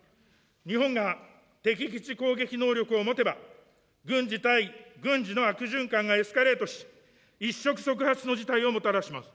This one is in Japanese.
日本が敵基地攻撃能力を持てば、軍事対軍事の悪循環がエスカレートし、一触即発の事態をもたらします。